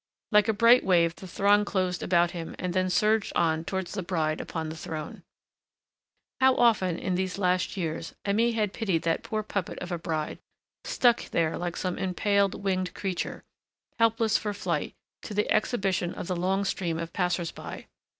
Like a bright wave the throng closed about him and then surged on towards the bride upon the throne. How often, in the last years, Aimée had pitied that poor puppet of a bride, stuck there like some impaled, winged creature, helpless for flight, to the exhibition of the long stream of passersby!